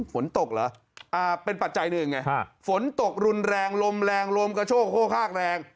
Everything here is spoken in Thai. ฝนตกเหรอเป็นปัจจัยหนึ่งไงฝนตกรุนแรงลมแรงลมกระโชกโฮกแรง